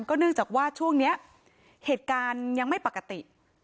เนื่องจากว่าช่วงนี้เหตุการณ์ยังไม่ปกติ